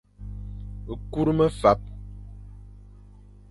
Kur mefap.